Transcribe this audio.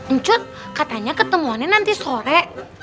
encut katanya ketemuannya nanti sore